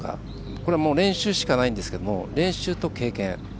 これは、もう練習しかないんですけど練習と経験。